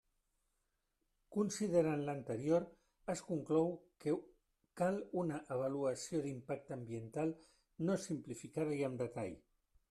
Considerant l'anterior, es conclou que cal una avaluació d'impacte ambiental no simplificada i amb detall.